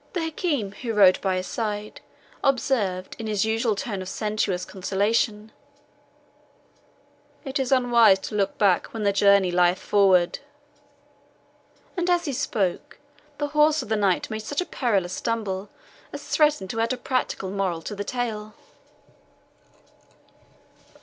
The Hakim, who rode by his side, observed, in his usual tone of sententious consolation, "It is unwise to look back when the journey lieth forward;" and as he spoke, the horse of the knight made such a perilous stumble as threatened to add a practical moral to the tale.